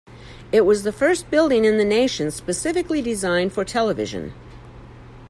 It was the first building in the nation specifically designed for television.